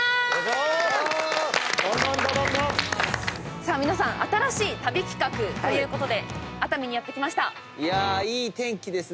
さあ皆さん新しい旅企画ということで熱海にやって来ました。